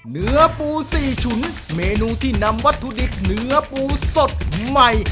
เนื้อปู๔ฉุนเมนูที่นำวัตถุดิบเนื้อปูสดใหม่